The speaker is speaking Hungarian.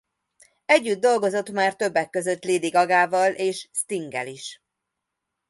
Együtt dolgozott már többek között Lady Gagával és Stinggel is.